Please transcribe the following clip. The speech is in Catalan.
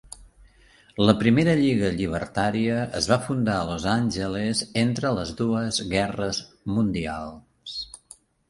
La primera Lliga Llibertària es va fundar a Los Angeles entre les dues guerres mundials.